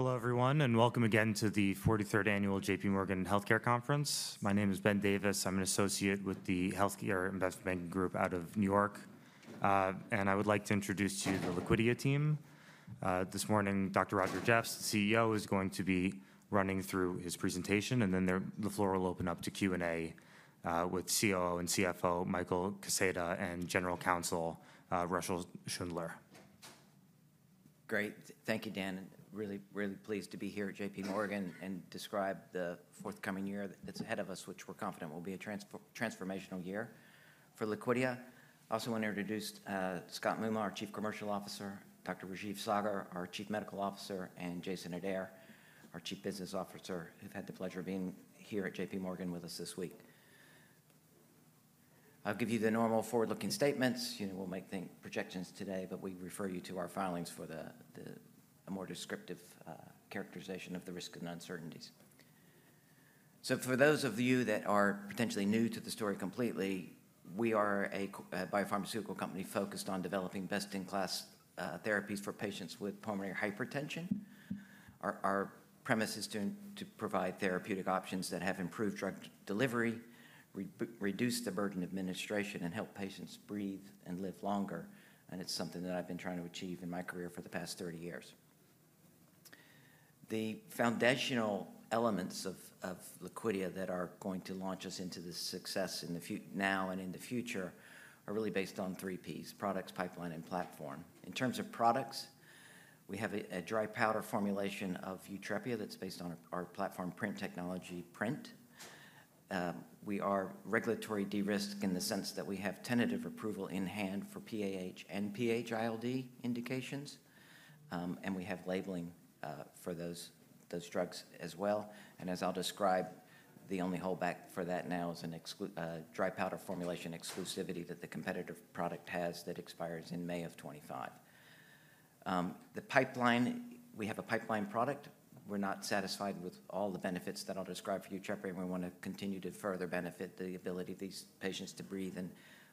Hello, everyone, and welcome again to the 43rd Annual J.P. Morgan Healthcare Conference. My name is Ben Davis. I'm an associate with the Healthcare Investment Banking Group out of New York, and I would like to introduce to you the Liquidia team. This morning, Dr. Roger Jeffs, the CEO, is going to be running through his presentation, and then the floor will open up to Q&A with COO and CFO Michael Kaseta and General Counsel Russell Schundler. Great. Thank you, Ben. Really, really pleased to be here at J.P. Morgan and describe the forthcoming year that's ahead of us, which we're confident will be a transformational year for Liquidia. I also want to introduce Scott Moomaw, our Chief Commercial Officer, Dr. Rajeev Saggar, our Chief Medical Officer, and Jason Adair, our Chief Business Officer, who've had the pleasure of being here at J.P. Morgan with us this week. I'll give you the normal forward-looking statements. We'll make projections today, but we refer you to our filings for a more descriptive characterization of the risks and uncertainties. So for those of you that are potentially new to the story completely, we are a biopharmaceutical company focused on developing best-in-class therapies for patients with pulmonary hypertension. Our premise is to provide therapeutic options that have improved drug delivery, reduce the burden of administration, and help patients breathe and live longer. And it's something that I've been trying to achieve in my career for the past 30 years. The foundational elements of Liquidia that are going to launch us into this success now and in the future are really based on three Ps: products, pipeline, and platform. In terms of products, we have a dry powder formulation of Yutrepia that's based on our platform PRINT technology, PRINT. We are regulatory de-risked in the sense that we have tentative approval in hand for PAH and PH-ILD indications, and we have labeling for those drugs as well. And as I'll describe, the only holdback for that now is a dry powder formulation exclusivity that the competitor product has that expires in May of 2025. The pipeline, we have a pipeline product. We're not satisfied with all the benefits that I'll describe for Yutrepia, and we want to continue to further benefit the ability of these patients to breathe and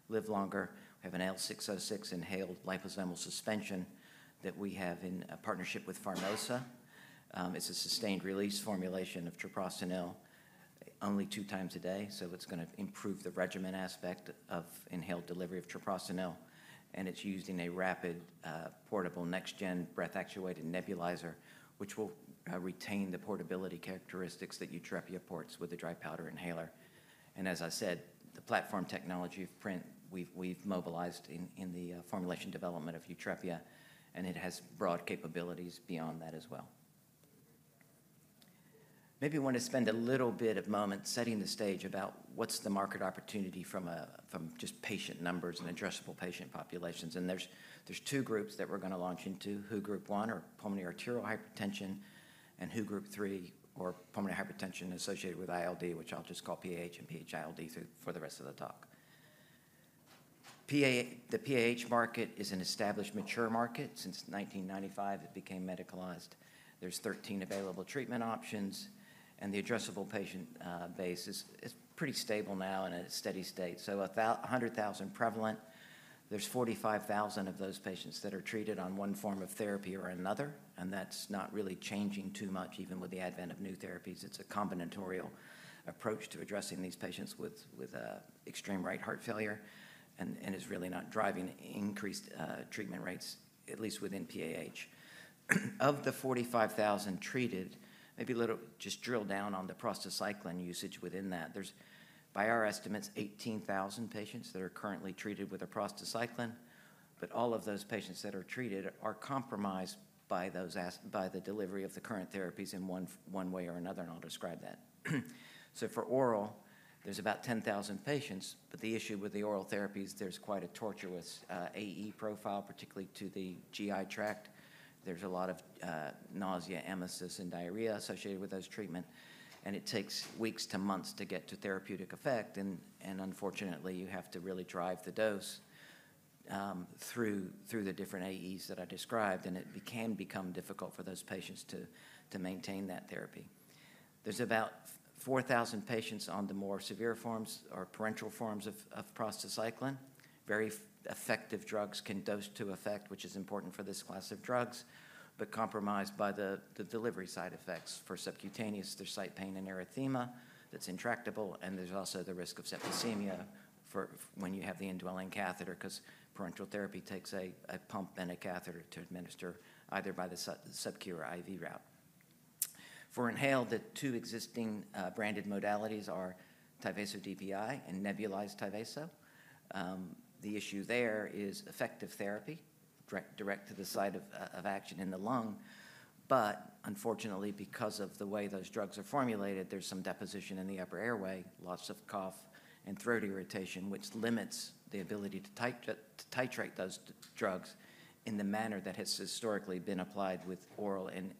live longer. We have an L606 inhaled liposomal suspension that we have in partnership with Pharmosa. It's a sustained-release formulation of treprostinil, only two times a day. So it's going to improve the regimen aspect of inhaled delivery of treprostinil. And it's used in a rapid, portable, next-gen breath-actuated nebulizer, which will retain the portability characteristics that Yutrepia provides with a dry powder inhaler. And as I said, the platform technology of PRINT, we've mobilized in the formulation development of Yutrepia, and it has broad capabilities beyond that as well. Maybe I want to spend a little bit of moment setting the stage about what's the market opportunity from just patient numbers and addressable patient populations. There's two groups that we're going to launch into: WHO Group 1, or pulmonary arterial hypertension, and WHO Group 3, or pulmonary hypertension associated with ILD, which I'll just call PAH and PH-ILD for the rest of the talk. The PAH market is an established, mature market. Since 1995, it became medicalized. There's 13 available treatment options, and the addressable patient base is pretty stable now and in a steady state. 100,000 prevalent, there's 45,000 of those patients that are treated on one form of therapy or another. That's not really changing too much, even with the advent of new therapies. It's a combinatorial approach to addressing these patients with extreme right heart failure and is really not driving increased treatment rates, at least within PAH. Of the 45,000 treated, maybe just drill down on the prostacyclin usage within that. There's, by our estimates, 18,000 patients that are currently treated with a prostacyclin, but all of those patients that are treated are compromised by the delivery of the current therapies in one way or another, and I'll describe that, so for oral, there's about 10,000 patients, but the issue with the oral therapies, there's quite a tortuous AE profile, particularly to the GI tract. There's a lot of nausea, emesis, and diarrhea associated with those treatments, and it takes weeks to months to get to therapeutic effect, and unfortunately, you have to really drive the dose through the different AEs that I described, and it can become difficult for those patients to maintain that therapy. There's about 4,000 patients on the more severe forms or parenteral forms of prostacyclin. Very effective drugs can dose to effect, which is important for this class of drugs, but compromised by the delivery side effects for subcutaneous. There's site pain and erythema that's intractable, and there's also the risk of septicemia when you have the indwelling catheter because parenteral therapy takes a pump and a catheter to administer either by the sub-Q or IV route. For inhaled, the two existing branded modalities are Tyvaso DPI and nebulized Tyvaso. The issue there is effective therapy direct to the site of action in the lung, but unfortunately, because of the way those drugs are formulated, there's some deposition in the upper airway, loss of cough, and throat irritation, which limits the ability to titrate those drugs in the manner that has historically been applied with oral and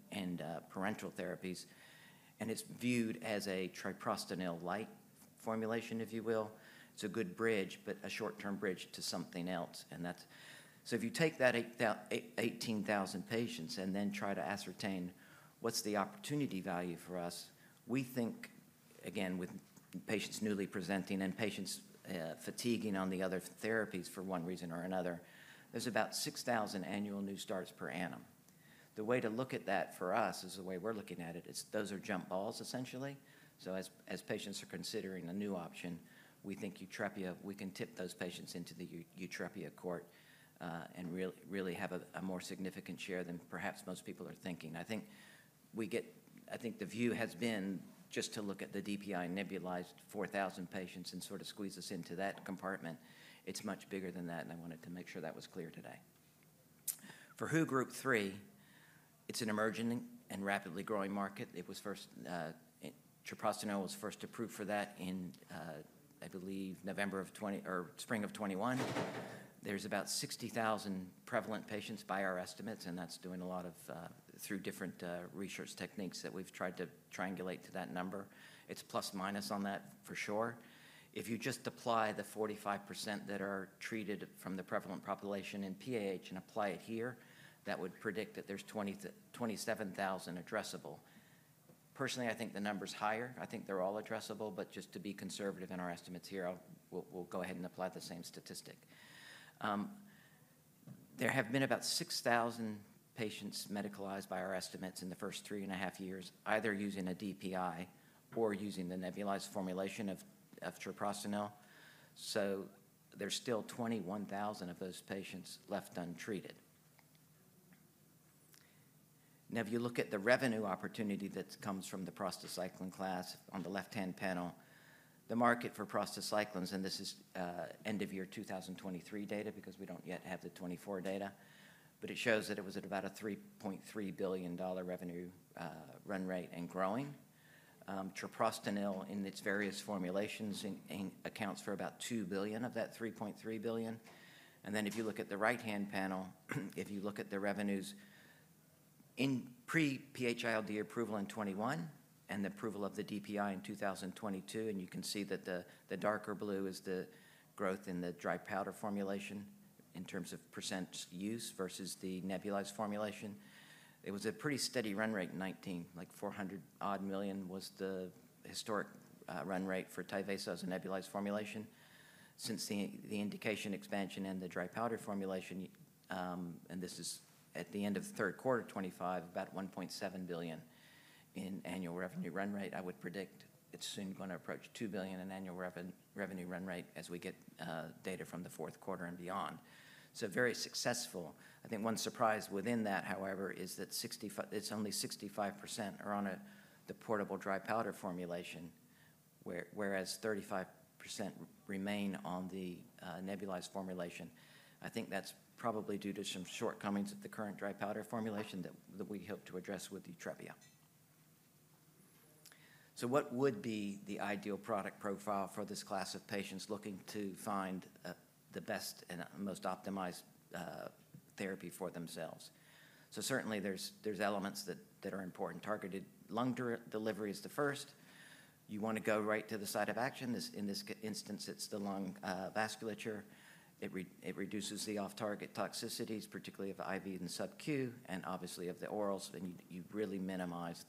parenteral therapies. And it's viewed as a treprostinil-like formulation, if you will. It's a good bridge, but a short-term bridge to something else. And so if you take that 18,000 patients and then try to ascertain what's the opportunity value for us, we think, again, with patients newly presenting and patients fatiguing on the other therapies for one reason or another, there's about 6,000 annual new starts per annum. The way to look at that for us, as the way we're looking at it, is those are jump balls, essentially. So as patients are considering a new option, we think Yutrepia, we can tip those patients into the Yutrepia court and really have a more significant share than perhaps most people are thinking. I think the view has been just to look at the DPI nebulized 4,000 patients and sort of squeeze us into that compartment. It's much bigger than that, and I wanted to make sure that was clear today. For WHO Group 3, it's an emerging and rapidly growing market. treprostinil was first approved for that in, I believe, November or spring of 2021. There's about 60,000 prevalent patients by our estimates, and that's doing a lot through different research techniques that we've tried to triangulate to that number. It's plus or minus on that, for sure. If you just apply the 45% that are treated from the prevalent population in PAH and apply it here, that would predict that there's 27,000 addressable. Personally, I think the number's higher. I think they're all addressable, but just to be conservative in our estimates here, we'll go ahead and apply the same statistic. There have been about 6,000 patients medicated by our estimates in the first three and a half years, either using a DPI or using the nebulized formulation of treprostinil. So there's still 21,000 of those patients left untreated. Now, if you look at the revenue opportunity that comes from the prostacyclin class on the left-hand panel, the market for prostacyclins, and this is end-of-year 2023 data because we don't yet have the 2024 data, but it shows that it was at about a $3.3 billion revenue run rate and growing. treprostinil, in its various formulations, accounts for about $2 billion of that $3.3 billion. And then if you look at the right-hand panel, if you look at the revenues in pre-PH-ILD approval in 2021 and the approval of the DPI in 2022, and you can see that the darker blue is the growth in the dry powder formulation in terms of % use versus the nebulized formulation. It was a pretty steady run rate, 2019, like $400-odd million was the historic run rate for Tyvaso as a nebulized formulation. Since the indication expansion and the dry powder formulation, and this is at the end of the third quarter 2025, about $1.7 billion in annual revenue run rate. I would predict it's soon going to approach $2 billion in annual revenue run rate as we get data from the fourth quarter 2025 and beyond. So very successful. I think one surprise within that, however, is that it's only 65% are on the portable dry powder formulation, whereas 35% remain on the nebulized formulation. I think that's probably due to some shortcomings of the current dry powder formulation that we hope to address with Yutrepia. So what would be the ideal product profile for this class of patients looking to find the best and most optimized therapy for themselves? So certainly, there's elements that are important. Targeted lung delivery is the first. You want to go right to the site of action. In this instance, it's the lung vasculature. It reduces the off-target toxicities, particularly of IV and sub-Q, and obviously of the orals, and you really minimize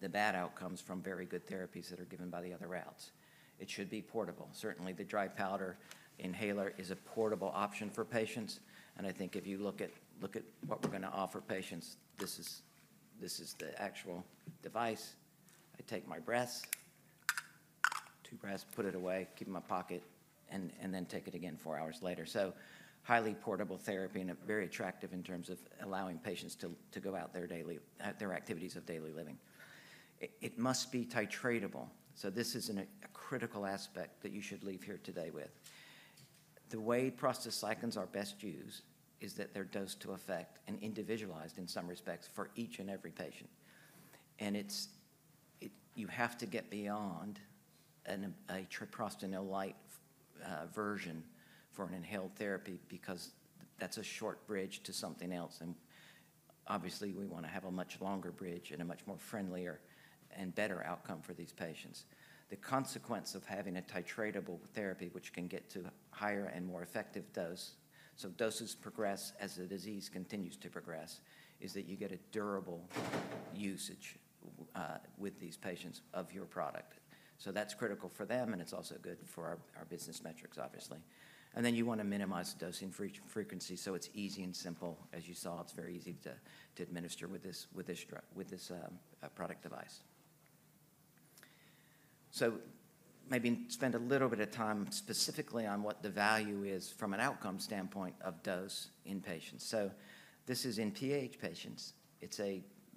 the bad outcomes from very good therapies that are given by the other routes. It should be portable. Certainly, the dry powder inhaler is a portable option for patients. And I think if you look at what we're going to offer patients, this is the actual device. I take my breath, two breaths, put it away, keep it in my pocket, and then take it again four hours later. So highly portable therapy and very attractive in terms of allowing patients to go out their activities of daily living. It must be titratable. So this is a critical aspect that you should leave here today with. The way prostacyclins are best used is that they're dosed to effect and individualized in some respects for each and every patient. And you have to get beyond a treprostinil-like version for an inhaled therapy because that's a short bridge to something else. And obviously, we want to have a much longer bridge and a much more friendlier and better outcome for these patients. The consequence of having a titratable therapy, which can get to higher and more effective dose, so doses progress as the disease continues to progress, is that you get a durable usage with these patients of your product. So that's critical for them, and it's also good for our business metrics, obviously. And then you want to minimize dosing frequency so it's easy and simple. As you saw, it's very easy to administer with this product device. So maybe spend a little bit of time specifically on what the value is from an outcome standpoint of dose in patients. So this is in PAH patients. It's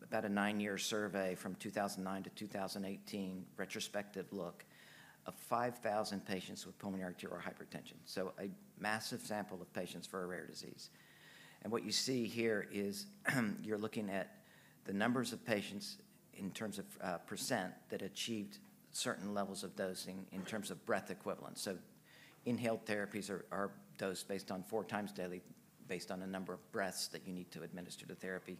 about a nine-year survey from 2009 to 2018, retrospective look of 5,000 patients with pulmonary arterial hypertension. So a massive sample of patients for a rare disease. And what you see here is you're looking at the numbers of patients in terms of % that achieved certain levels of dosing in terms of breath equivalents. So inhaled therapies are dosed based on four times daily, based on the number of breaths that you need to administer the therapy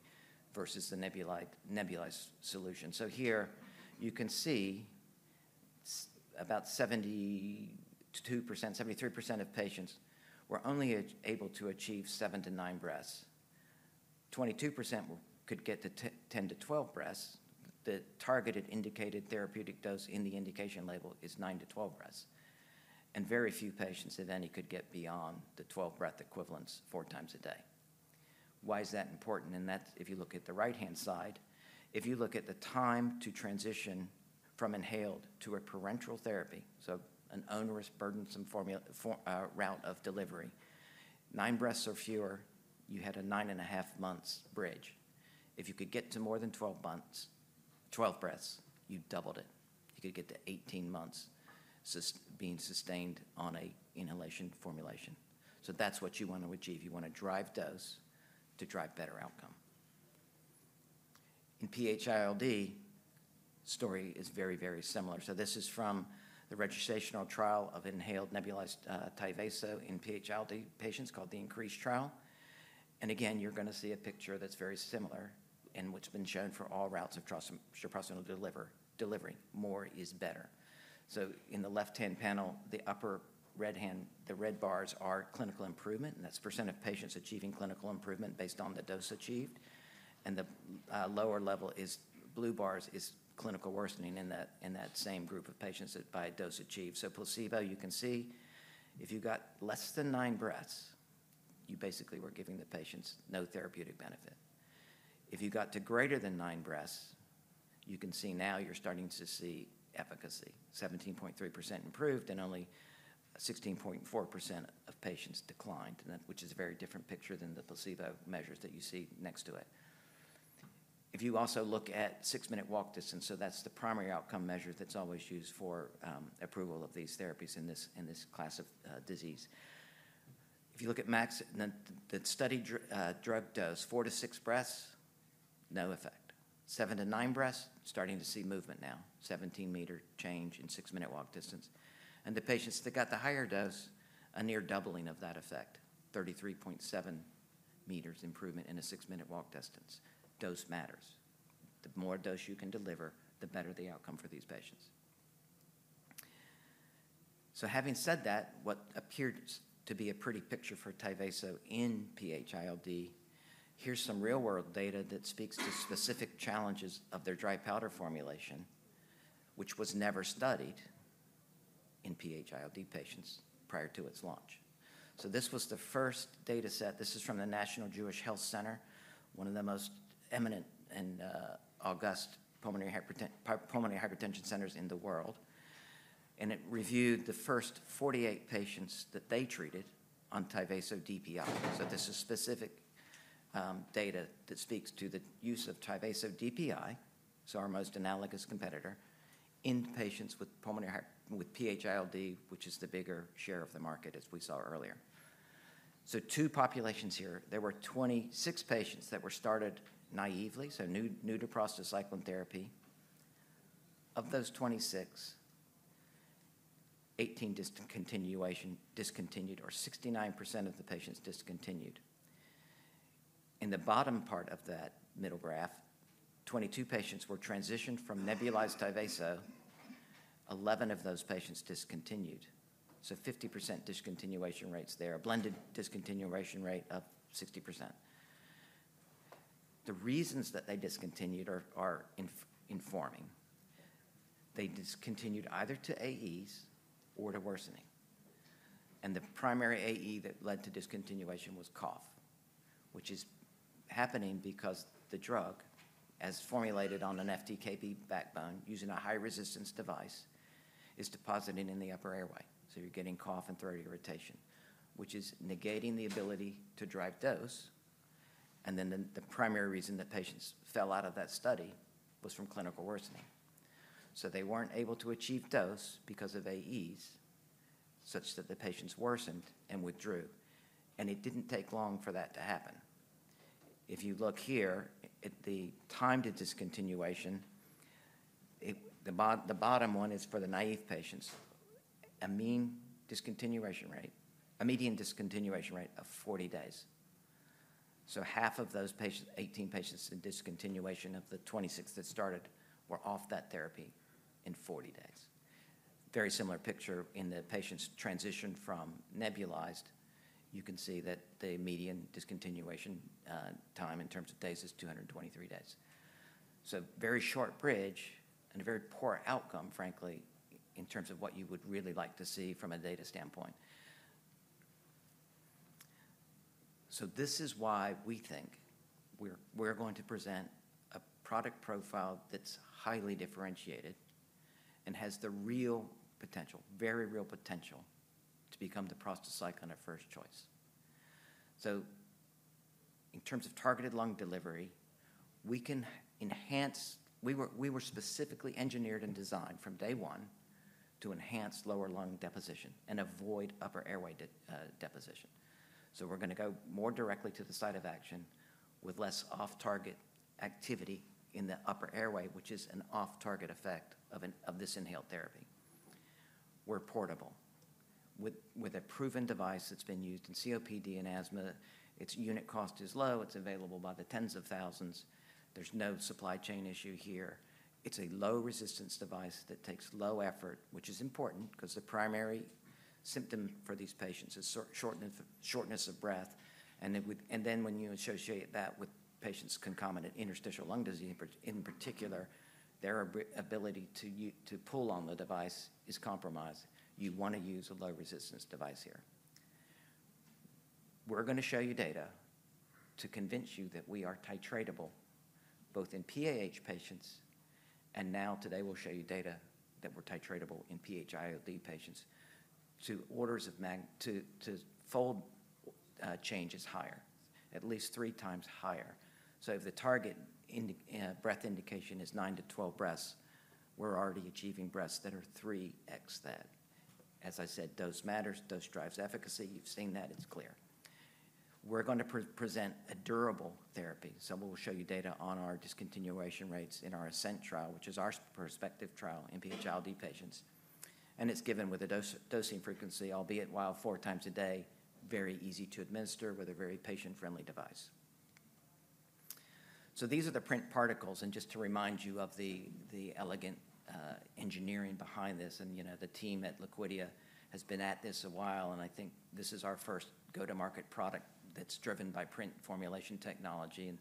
versus the nebulized solution. So here you can see about 72%, 73% of patients were only able to achieve seven to nine breaths. 22% could get to 10 to 12 breaths. The targeted indicated therapeutic dose in the indication label is nine to 12 breaths. And very few patients that any could get beyond the 12-breath equivalents four times a day. Why is that important? And that's if you look at the right-hand side. If you look at the time to transition from inhaled to a parenteral therapy, so an onerous, burdensome route of delivery, nine breaths or fewer, you had a nine-and-a-half-month bridge. If you could get to more than 12 months, 12 breaths, you doubled it. You could get to 18 months being sustained on an inhalation formulation. So that's what you want to achieve. You want to drive dose to drive better outcome. In PH-ILD, the story is very, very similar. So this is from the registrational trial of inhaled nebulized Tyvaso in PH-ILD patients called the INCREASE trial. Again, you're going to see a picture that's very similar and which has been shown for all routes of treprostinil delivery. More is better. In the left-hand panel, the upper red bars are clinical improvement, and that's % of patients achieving clinical improvement based on the dose achieved. And the lower level, blue bars, is clinical worsening in that same group of patients by dose achieved. Placebo, you can see if you got less than nine breaths, you basically were giving the patients no therapeutic benefit. If you got to greater than nine breaths, you can see now you're starting to see efficacy, 17.3% improved, and only 16.4% of patients declined, which is a very different picture than the placebo measures that you see next to it. If you also look at six-minute walk distance, so that's the primary outcome measure that's always used for approval of these therapies in this class of disease. If you look at max the studied drug dose, four to six breaths, no effect. Seven to nine breaths, starting to see movement now, 17-meter change in six-minute walk distance, and the patients that got the higher dose, a near doubling of that effect, 33.7 meters improvement in a six-minute walk distance. Dose matters. The more dose you can deliver, the better the outcome for these patients, so having said that, what appears to be a pretty picture for Tyvaso in PH-ILD, here's some real-world data that speaks to specific challenges of their dry powder formulation, which was never studied in PH-ILD patients prior to its launch, so this was the first data set. This is from the National Jewish Health, one of the most eminent and august pulmonary hypertension centers in the world, and it reviewed the first 48 patients that they treated on Tyvaso DPI, so this is specific data that speaks to the use of Tyvaso DPI, so our most analogous competitor, in patients with PH-ILD, which is the bigger share of the market, as we saw earlier, so two populations here. There were 26 patients that were started naïvely, so new to prostacyclin therapy. Of those 26, 18 discontinued, or 69% of the patients discontinued. In the bottom part of that middle graph, 22 patients were transitioned from nebulized Tyvaso. 11 of those patients discontinued, so 50% discontinuation rates there, a blended discontinuation rate of 60%. The reasons that they discontinued are informing. They discontinued either to AEs or to worsening. The primary AE that led to discontinuation was cough, which is happening because the drug, as formulated on an FDKP backbone using a high-resistance device, is depositing in the upper airway. So you're getting cough and throat irritation, which is negating the ability to drive dose. And then the primary reason that patients fell out of that study was from clinical worsening. So they weren't able to achieve dose because of AEs, such that the patients worsened and withdrew. And it didn't take long for that to happen. If you look here at the time to discontinuation, the bottom one is for the naive patients, a median discontinuation rate of 40 days. So half of those 18 patients in discontinuation of the 26 that started were off that therapy in 40 days. Very similar picture in the patients transitioned from nebulized. You can see that the median discontinuation time in terms of days is 223 days, so very short bridge and a very poor outcome, frankly, in terms of what you would really like to see from a data standpoint, so this is why we think we're going to present a product profile that's highly differentiated and has the real potential, very real potential, to become the prostacyclin of first choice, so in terms of targeted lung delivery, we were specifically engineered and designed from day one to enhance lower lung deposition and avoid upper airway deposition. So we're going to go more directly to the site of action with less off-target activity in the upper airway, which is an off-target effect of this inhaled therapy. We're portable with a proven device that's been used in COPD and asthma. Its unit cost is low. It's available by the tens of thousands. There's no supply chain issue here. It's a low-resistance device that takes low effort, which is important because the primary symptom for these patients is shortness of breath, and then when you associate that with patients' concomitant interstitial lung disease, in particular, their ability to pull on the device is compromised. You want to use a low-resistance device here. We're going to show you data to convince you that we are titratable both in PAH patients, and now today, we'll show you data that we're titratable in PH-ILD patients to fold changes higher, at least three times higher, so if the target breath indication is nine to 12 breaths, we're already achieving breaths that are 3x that. As I said, dose matters. Dose drives efficacy. You've seen that. It's clear. We're going to present a durable therapy. We'll show you data on our discontinuation rates in our ASCENT trial, which is our prospective trial in PH-ILD patients. It's given with a dosing frequency, albeit four times a day, very easy to administer with a very patient-friendly device. These are the PRINT particles. Just to remind you of the elegant engineering behind this. The team at Liquidia has been at this a while. I think this is our first go-to-market product that's driven by PRINT formulation technology.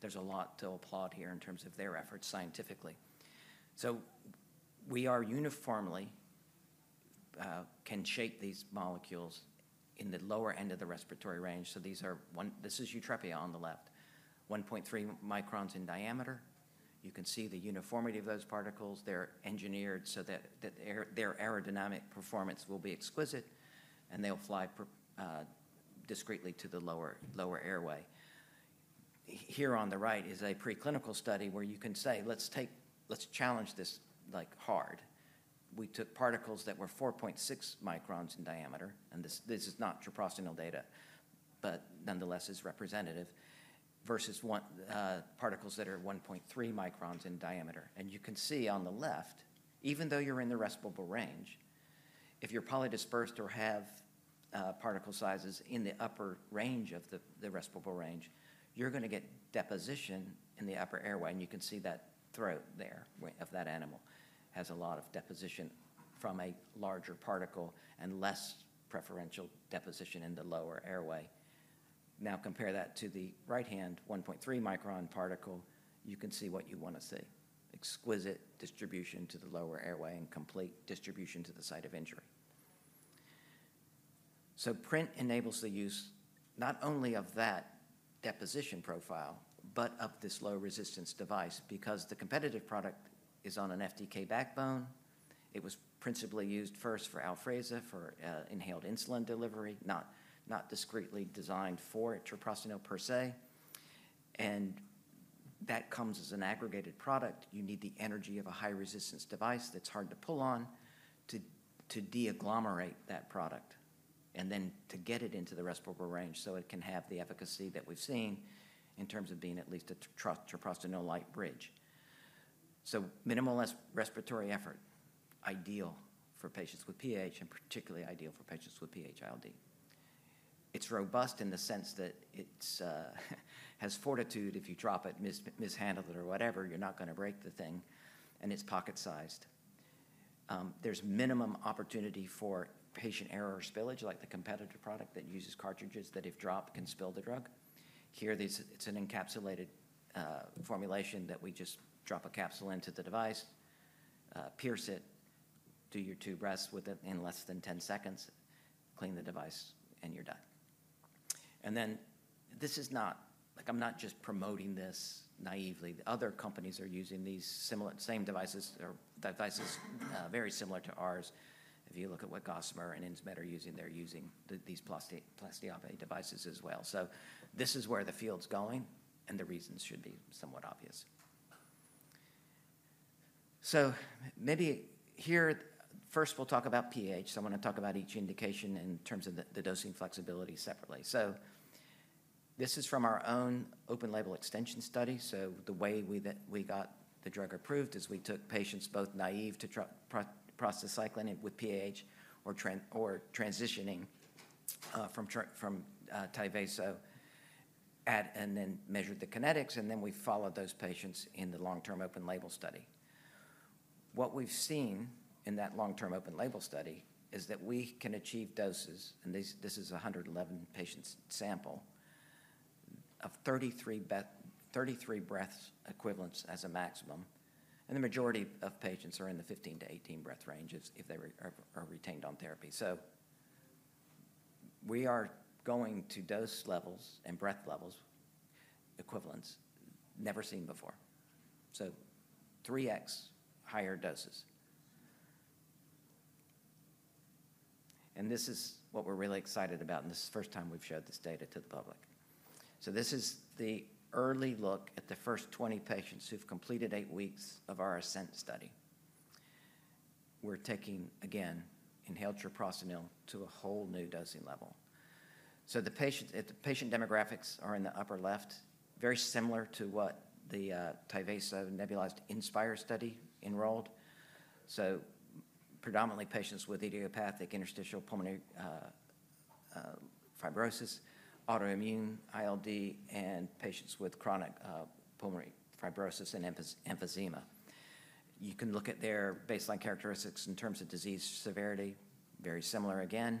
There's a lot to applaud here in terms of their efforts scientifically. We can uniformly shape these molecules in the lower end of the respiratory range. This is Yutrepia on the left, 1.3 microns in diameter. You can see the uniformity of those particles. They're engineered so that their aerodynamic performance will be exquisite, and they'll fly discretely to the lower airway. Here on the right is a preclinical study where you can say, "Let's challenge this hard." We took particles that were 4.6 microns in diameter. And this is not treprostinil data, but nonetheless is representative versus particles that are 1.3 microns in diameter. And you can see on the left, even though you're in the respirable range, if you're polydispersed or have particle sizes in the upper range of the respirable range, you're going to get deposition in the upper airway. And you can see that throat there of that animal has a lot of deposition from a larger particle and less preferential deposition in the lower airway. Now compare that to the right-hand 1.3 micron particle. You can see what you want to see: exquisite distribution to the lower airway and complete distribution to the site of injury. PRINT enables the use not only of that deposition profile, but of this low-resistance device because the competitive product is on an FDKP backbone. It was principally used first for Afrezza for inhaled insulin delivery, not discretely designed for treprostinil per se. And that comes as an aggregated product. You need the energy of a high-resistance device that's hard to pull on to deagglomerate that product and then to get it into the respirable range so it can have the efficacy that we've seen in terms of being at least a treprostinil-like bridge. Minimal respiratory effort, ideal for patients with PAH, and particularly ideal for patients with PH-ILD. It's robust in the sense that it has fortitude. If you drop it, mishandle it, or whatever, you're not going to break the thing. And it's pocket-sized. There's minimum opportunity for patient error spillage, like the competitor product that uses cartridges that, if dropped, can spill the drug. Here, it's an encapsulated formulation that we just drop a capsule into the device, pierce it, do your two breaths with it in less than 10 seconds, clean the device, and you're done. And then this is not. I'm not just promoting this naively. Other companies are using these same devices, devices very similar to ours. If you look at what Gossamer Bio and Insmed are using, they're using these Plastiape devices as well. So this is where the field's going, and the reasons should be somewhat obvious. So maybe here, first, we'll talk about PAH. So I want to talk about each indication in terms of the dosing flexibility separately. So this is from our own open-label extension study. So the way we got the drug approved is we took patients both naive to prostacyclin with PAH or transitioning from Tyvaso and then measured the kinetics. And then we followed those patients in the long-term open-label study. What we've seen in that long-term open-label study is that we can achieve doses, and this is a 111-patient sample of 33 breaths equivalents as a maximum. And the majority of patients are in the 15 to 18 breath ranges if they are retained on therapy. So we are going to dose levels and breath levels equivalents never seen before. So 3x higher doses. And this is what we're really excited about. And this is the first time we've showed this data to the public. This is the early look at the first 20 patients who've completed eight weeks of our ASCENT study. We're taking, again, inhaled treprostinil to a whole new dosing level. The patient demographics are in the upper left, very similar to what the Tyvaso nebulized INCREASE study enrolled. Predominantly patients with idiopathic interstitial pulmonary fibrosis, autoimmune ILD, and patients with chronic pulmonary fibrosis and emphysema. You can look at their baseline characteristics in terms of disease severity, very similar again,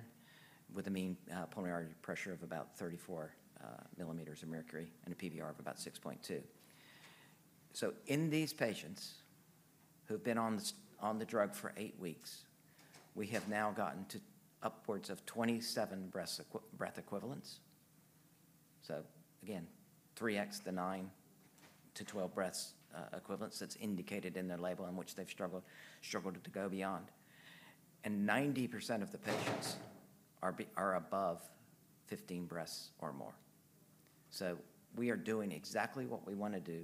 with a mean pulmonary artery pressure of about 34 millimeters of mercury and a PVR of about 6.2. In these patients who've been on the drug for eight weeks, we have now gotten to upwards of 27 breath equivalents. Again, 3x the nine to 12 breath equivalents that's indicated in their label in which they've struggled to go beyond. 90% of the patients are above 15 breaths or more. We are doing exactly what we want to do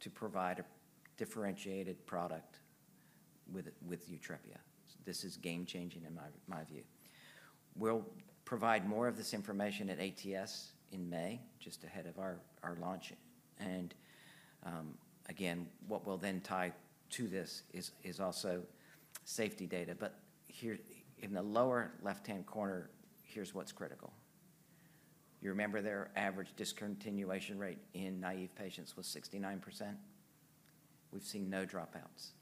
to provide a differentiated product with Yutrepia. This is game-changing in my view. We'll provide more of this information at ATS in May, just ahead of our launch. Again, what we'll then tie to this is also safety data. In the lower left-hand corner, here's what's critical. You remember their average discontinuation rate in naive patients was 69%? We've seen no dropouts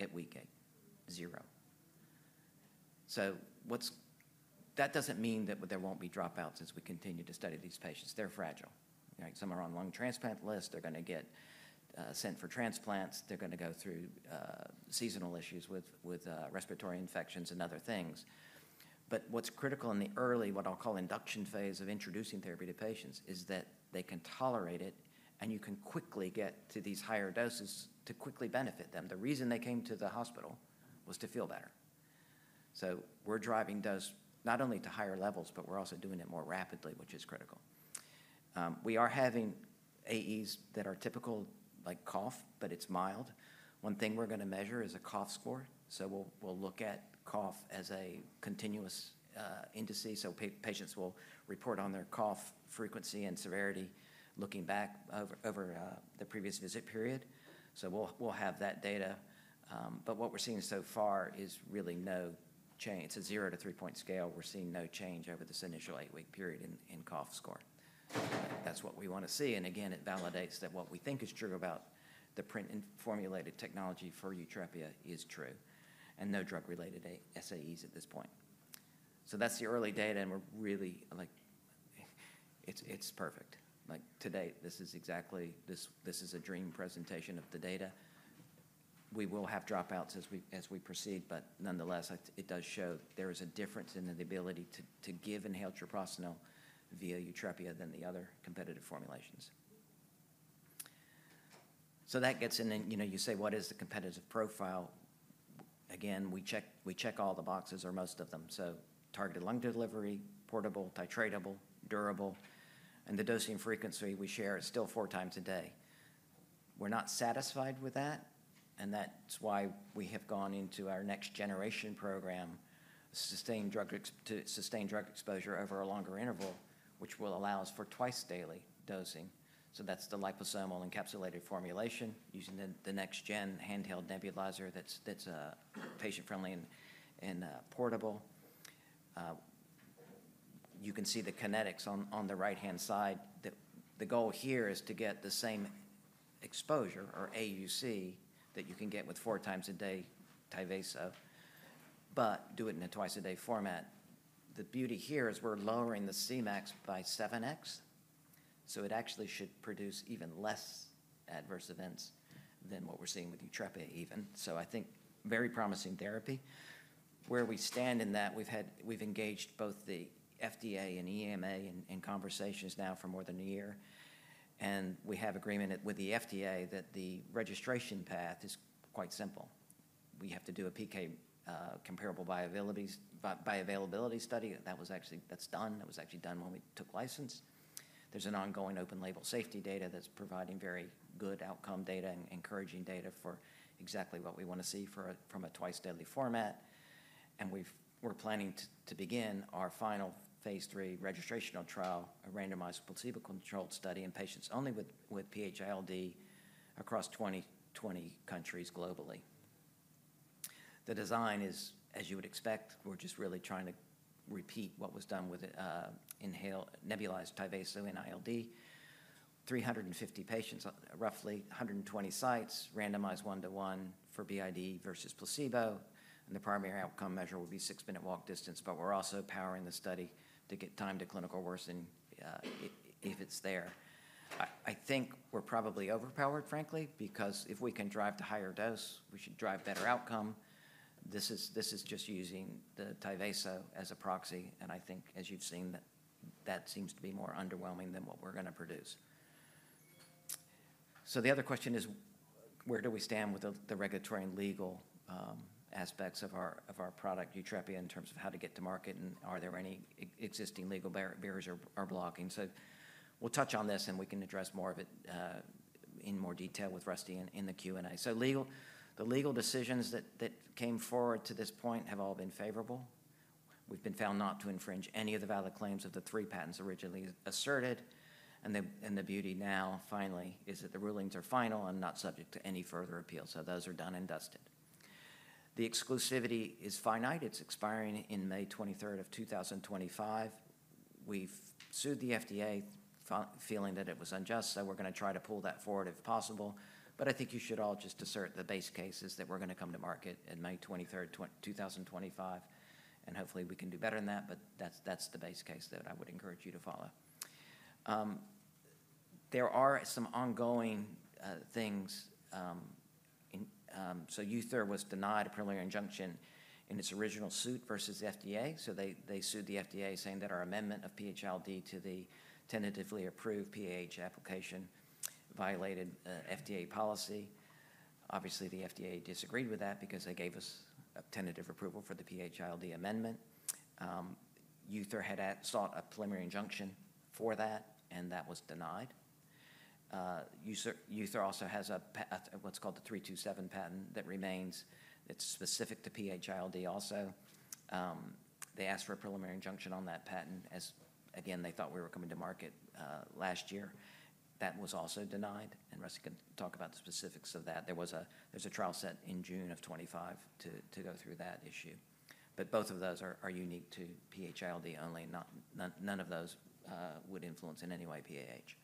at week eight, zero. That doesn't mean that there won't be dropouts as we continue to study these patients. They're fragile. Some are on lung transplant lists. They're going to get sent for transplants. They're going to go through seasonal issues with respiratory infections and other things. But what's critical in the early, what I'll call induction phase of introducing therapy to patients is that they can tolerate it, and you can quickly get to these higher doses to quickly benefit them. The reason they came to the hospital was to feel better. So we're driving dose not only to higher levels, but we're also doing it more rapidly, which is critical. We are having AEs that are typical, like cough, but it's mild. One thing we're going to measure is a cough score. So we'll look at cough as a continuous index. So patients will report on their cough frequency and severity looking back over the previous visit period. So we'll have that data. But what we're seeing so far is really no change. It's a zero to three-point scale. We're seeing no change over this initial eight-week period in cough score. That's what we want to see. And again, it validates that what we think is true about the PRINT-formulated technology for Yutrepia is true and no drug-related SAEs at this point. So that's the early data. And it's perfect. Today, this is exactly a dream presentation of the data. We will have dropouts as we proceed. But nonetheless, it does show there is a difference in the ability to give inhaled treprostinil via Yutrepia than the other competitive formulations. So that gets in you say, "What is the competitive profile?" Again, we check all the boxes or most of them. So targeted lung delivery, portable, titratable, durable. And the dosing frequency we share is still four times a day. We're not satisfied with that. And that's why we have gone into our next-generation program, sustained drug exposure over a longer interval, which will allow us for twice-daily dosing. That's the liposomal encapsulated formulation using the next-gen handheld nebulizer that's patient-friendly and portable. You can see the kinetics on the right-hand side. The goal here is to get the same exposure or AUC that you can get with four times a day Tyvaso, but do it in a twice-a-day format. The beauty here is we're lowering the Cmax by 7x. So it actually should produce even less adverse events than what we're seeing with Yutrepia even. So I think very promising therapy. Where we stand in that, we've engaged both the FDA and EMA in conversations now for more than a year. And we have agreement with the FDA that the registration path is quite simple. We have to do a PK comparability study. That's done. That was actually done when we took license. There's an ongoing open-label safety data that's providing very good outcome data and encouraging data for exactly what we want to see from a twice-daily format, and we're planning to begin our final phase III registration trial, a randomized placebo-controlled study in patients only with PH-ILD across 20 countries globally. The design is, as you would expect, we're just really trying to repeat what was done with inhaled nebulized Tyvaso in ILD, 350 patients, roughly 120 sites, randomized one-to-one for BID versus placebo, and the primary outcome measure will be six-minute walk distance, but we're also powering the study to get time to clinical worsening if it's there. I think we're probably overpowered, frankly, because if we can drive to higher dose, we should drive better outcome. This is just using the Tyvaso as a proxy. I think, as you've seen, that seems to be more underwhelming than what we're going to produce. The other question is, where do we stand with the regulatory and legal aspects of our product, Yutrepia, in terms of how to get to market? Are there any existing legal barriers or blocking? We'll touch on this, and we can address more of it in more detail with Rusty in the Q&A. The legal decisions that came forward to this point have all been favorable. We've been found not to infringe any of the valid claims of the three patents originally asserted. The beauty now, finally, is that the rulings are final and not subject to any further appeal. Those are done and dusted. The exclusivity is finite. It's expiring in May 23rd of 2025. We've sued the FDA feeling that it was unjust. So we're going to try to pull that forward if possible, but I think you should all just assert the base case is that we're going to come to market in May 23rd, 2025, and hopefully, we can do better than that, but that's the base case that I would encourage you to follow. There are some ongoing things, so United Therapeutics was denied a preliminary injunction in its original suit versus the FDA, so they sued the FDA saying that our amendment of PH-ILD to the tentatively approved PAH application violated FDA policy. Obviously, the FDA disagreed with that because they gave us a tentative approval for the PH-ILD amendment. United Therapeutics also has what's called the '327 patent that remains. It's specific to PH-ILD also. They asked for a preliminary injunction on that patent as, again, they thought we were coming to market last year. That was also denied, and Rusty can talk about the specifics of that. There was a trial set in June of 2025 to go through that issue, but both of those are unique to PH-ILD only. None of those would influence in any way PAH.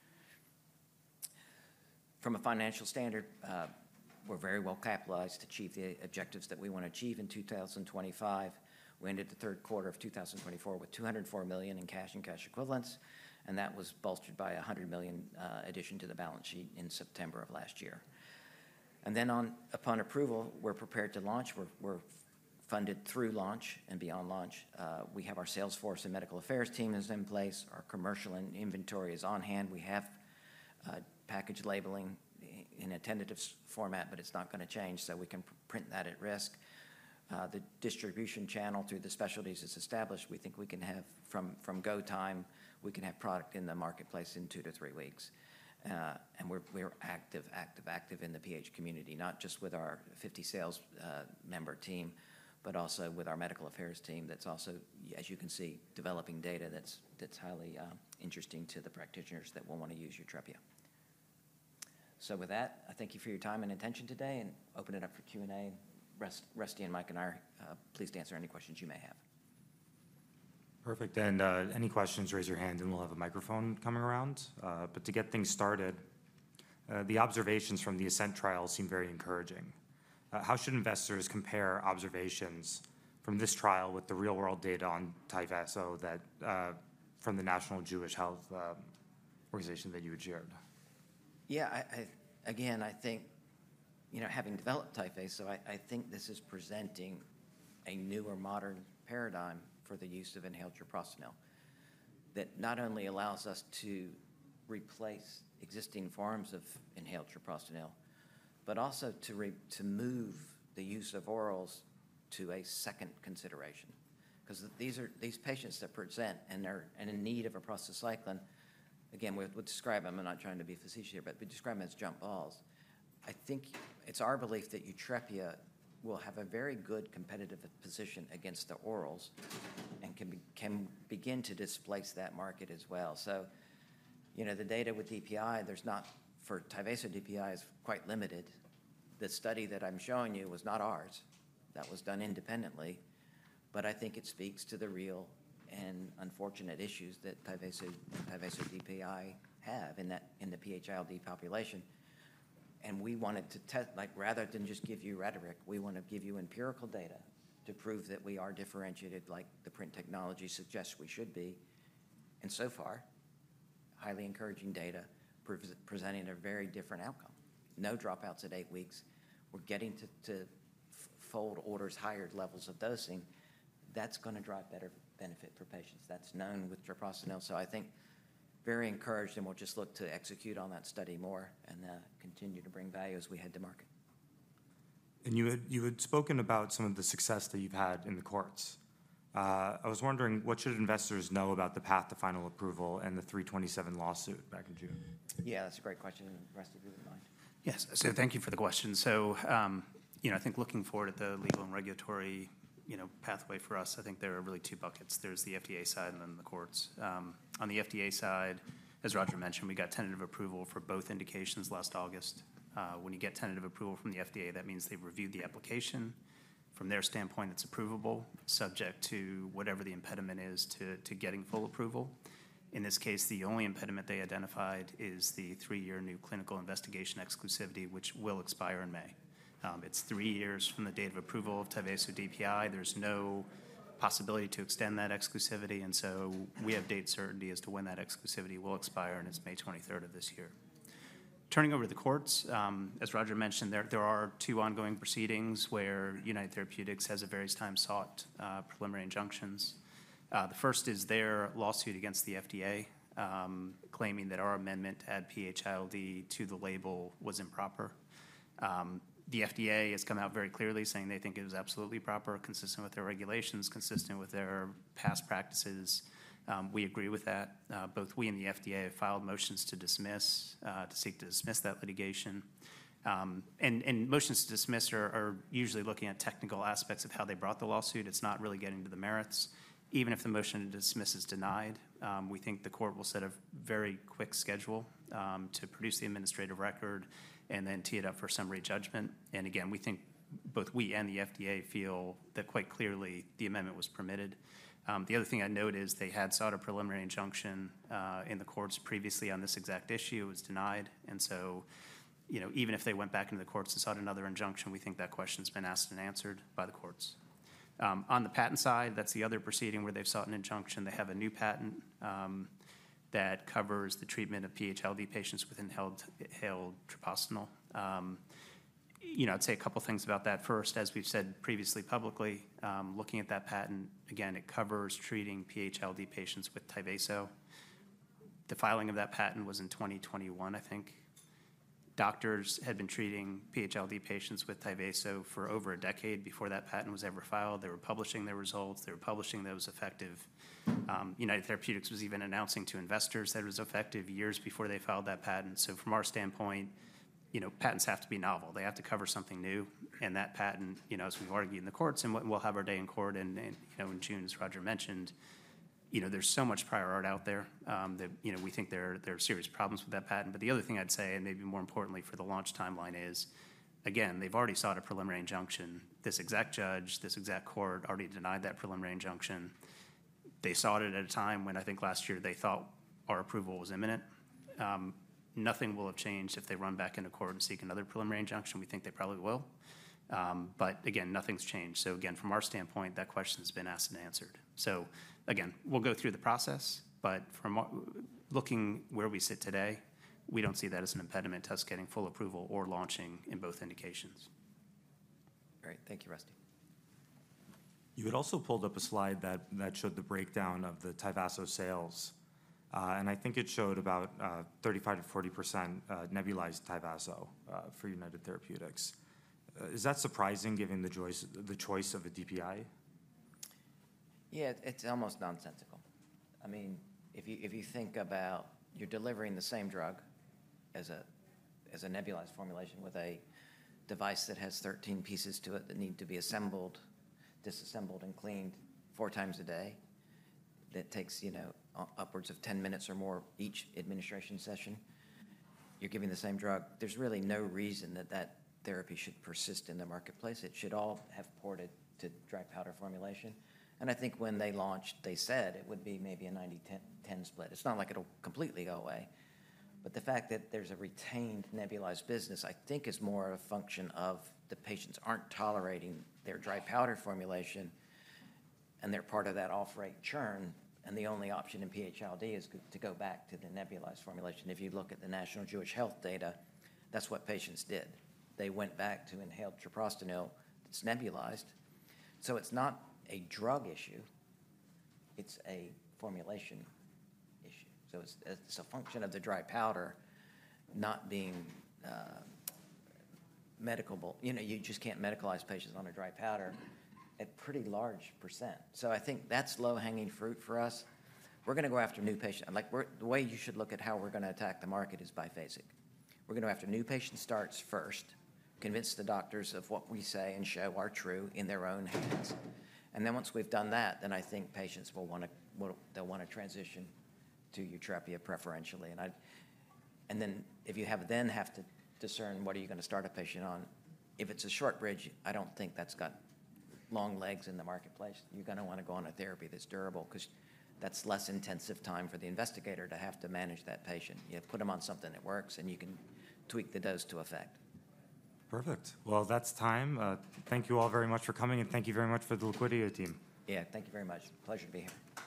From a financial standard, we're very well capitalized to achieve the objectives that we want to achieve in 2025. We ended the third quarter of 2024 with $204 million in cash and cash equivalents, and that was bolstered by a $100 million addition to the balance sheet in September of last year, and then upon approval, we're prepared to launch. We're funded through launch and beyond launch. We have our sales force and medical affairs team in place. Our commercial and inventory is on hand. We have package labeling in a tentative format, but it's not going to change, so we can print that at risk. The distribution channel through the specialties is established. We think we can have from go time, we can have product in the marketplace in two to three weeks, and we're active, active, active in the PH community, not just with our 50 sales member team, but also with our medical affairs team that's also, as you can see, developing data that's highly interesting to the practitioners that will want to use Yutrepia, so with that, I thank you for your time and attention today, and open it up for Q&A. Rusty and Mike and I are pleased to answer any questions you may have. Perfect. And any questions, raise your hand, and we'll have a microphone coming around. But to get things started, the observations from the ASCENT trial seem very encouraging. How should investors compare observations from this trial with the real-world data on Tyvaso from the National Jewish Health that you had shared? Yeah. Again, I think having developed Tyvaso, I think this is presenting a newer modern paradigm for the use of inhaled treprostinil that not only allows us to replace existing forms of inhaled treprostinil, but also to move the use of orals to a second consideration. Because these patients that present and are in need of a prostacyclin, again, we'll describe them. I'm not trying to be a physician here, but we describe them as jump balls. I think it's our belief that Yutrepia will have a very good competitive position against the orals and can begin to displace that market as well. So the data with DPI, for Tyvaso DPI, is quite limited. The study that I'm showing you was not ours. That was done independently. But I think it speaks to the real and unfortunate issues that Tyvaso DPI have in the PH-ILD population. And we wanted to test, rather than just give you rhetoric, we want to give you empirical data to prove that we are differentiated like the PRINT technology suggests we should be. And so far, highly encouraging data presenting a very different outcome. No dropouts at eight weeks. We're getting to fold orders higher levels of dosing. That's going to drive better benefit for patients. That's known with treprostinil. So I think very encouraged. And we'll just look to execute on that study more and continue to bring value as we head to market. You had spoken about some of the success that you've had in the courts. I was wondering, what should investors know about the path to final approval and the 327 lawsuit back in June? Yeah, that's a great question. Rusty, do you mind? Yes. So thank you for the question. So I think looking forward at the legal and regulatory pathway for us, I think there are really two buckets. There's the FDA side and then the courts. On the FDA side, as Roger mentioned, we got tentative approval for both indications last August. When you get tentative approval from the FDA, that means they've reviewed the application. From their standpoint, it's approvable, subject to whatever the impediment is to getting full approval. In this case, the only impediment they identified is the three-year new clinical investigation exclusivity, which will expire in May. It's three years from the date of approval of Tyvaso DPI. There's no possibility to extend that exclusivity. And so we have date certainty as to when that exclusivity will expire, and it's May 23rd of this year. Turning over to the courts, as Roger mentioned, there are two ongoing proceedings where United Therapeutics has at various times sought preliminary injunctions. The first is their lawsuit against the FDA claiming that our amendment had PH-ILD to the label was improper. The FDA has come out very clearly saying they think it was absolutely proper, consistent with their regulations, consistent with their past practices. We agree with that. Both we and the FDA have filed motions to seek to dismiss that litigation. And motions to dismiss are usually looking at technical aspects of how they brought the lawsuit. It's not really getting to the merits. Even if the motion to dismiss is denied, we think the court will set a very quick schedule to produce the administrative record and then tee it up for summary judgment. And again, we think both we and the FDA feel that quite clearly the amendment was permitted. The other thing I note is they had sought a preliminary injunction in the courts previously on this exact issue. It was denied. And so even if they went back into the courts to seek another injunction, we think that question's been asked and answered by the courts. On the patent side, that's the other proceeding where they've sought an injunction. They have a new patent that covers the treatment of PH-ILD patients with inhaled treprostinil. I'd say a couple of things about that first. As we've said previously publicly, looking at that patent, again, it covers treating PH-ILD patients with Tyvaso. The filing of that patent was in 2021, I think. Doctors had been treating PH-ILD patients with Tyvaso for over a decade before that patent was ever filed. They were publishing their results. They were publishing that it was effective. United Therapeutics was even announcing to investors that it was effective years before they filed that patent. So from our standpoint, patents have to be novel. They have to cover something new. And that patent, as we've argued in the courts, and we'll have our day in court in June, as Roger mentioned, there's so much prior art out there that we think there are serious problems with that patent. But the other thing I'd say, and maybe more importantly for the launch timeline is, again, they've already sought a preliminary injunction. This exact judge, this exact court already denied that preliminary injunction. They sought it at a time when I think last year they thought our approval was imminent. Nothing will have changed if they run back into court and seek another preliminary injunction. We think they probably will, but again, nothing's changed, so again, from our standpoint, that question's been asked and answered, so again, we'll go through the process, but looking where we sit today, we don't see that as an impediment to us getting full approval or launching in both indications. Great. Thank you, Rusty. You had also pulled up a slide that showed the breakdown of the Tyvaso sales, and I think it showed about 35%-40% nebulized Tyvaso for United Therapeutics. Is that surprising given the choice of a DPI? Yeah, it's almost nonsensical. I mean, if you think about you're delivering the same drug as a nebulized formulation with a device that has 13 pieces to it that need to be assembled, disassembled, and cleaned four times a day, that takes upwards of 10 minutes or more each administration session. You're giving the same drug. There's really no reason that that therapy should persist in the marketplace. It should all have ported to dry powder formulation. And I think when they launched, they said it would be maybe a 90-10 split. It's not like it'll completely go away. But the fact that there's a retained nebulized business, I think, is more of a function of the patients aren't tolerating their dry powder formulation, and they're part of that off-rate churn. And the only option in PH-ILD is to go back to the nebulized formulation. If you look at the National Jewish Health data, that's what patients did. They went back to inhaled treprostinil that's nebulized. So it's not a drug issue. It's a formulation issue. So it's a function of the dry powder not being medical. You just can't medicalize patients on a dry powder at a pretty large percent. So I think that's low-hanging fruit for us. We're going to go after new patients. The way you should look at how we're going to attack the market is biphasic. We're going to go after new patient starts first, convince the doctors of what we say and show are true in their own hands. And then once we've done that, then I think patients will want to transition to Yutrepia preferentially. And then if you have to discern what are you going to start a patient on? If it's a short bridge, I don't think that's got long legs in the marketplace. You're going to want to go on a therapy that's durable because that's less intensive time for the investigator to have to manage that patient. You put them on something that works, and you can tweak the dose to effect. Perfect. Well, that's time. Thank you all very much for coming, and thank you very much for the Liquidia team. Yeah, thank you very much. Pleasure to be here.